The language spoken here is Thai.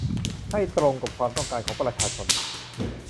ให้ตรงกับความต้องการของประชาชน